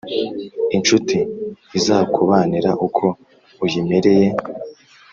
incuti izakubanira uko uyimereye